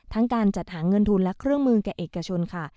การจัดหาเงินทุนและเครื่องมือแก่เอกชนค่ะ